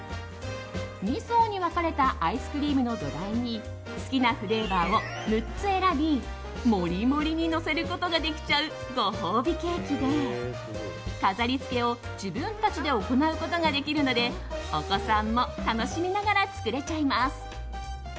２層に分かれたアイスクリームの土台に好きなフレーバーを６つ選びモリモリにのせちゃうことができちゃうご褒美ケーキで飾りつけを自分たちで行うことができるのでお子さんも楽しみながら作れちゃいます。